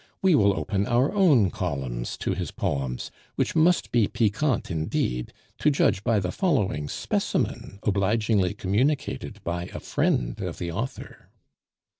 We will open our own columns to his poems, which must be piquant indeed, to judge by the following specimen obligingly communicated by a friend of the author."